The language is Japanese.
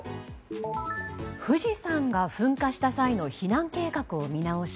富士山が噴火した際の避難計画を見直し